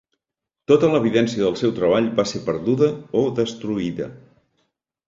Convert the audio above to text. Tota l'evidència del seu treball va ser perduda o destruïda.